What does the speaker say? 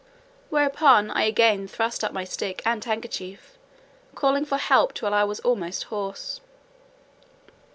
Whereupon I again thrust up my stick and handkerchief, calling for help till I was almost hoarse.